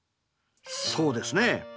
そうですね。